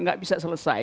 tidak bisa selesai